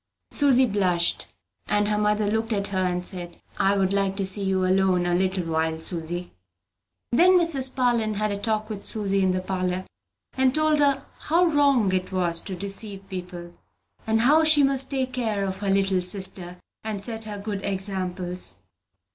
Susy blushed; and her mother looked at her, and said, "I would like to see you alone a little while, Susy." Then Mrs. Parlin had a talk with Susy in the parlor, and told her how wrong it was to deceive, and how she must take the care of her little sister, and set her good examples.